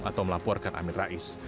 atau melaporkan amin rais